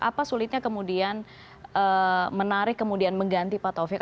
apa sulitnya kemudian menarik kemudian mengganti patofik